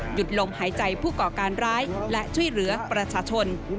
ลมหายใจผู้ก่อการร้ายและช่วยเหลือประชาชน